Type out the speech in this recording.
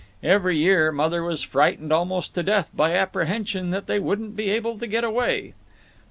Every year Mother was frightened almost to death by apprehension that they wouldn't be able to get away.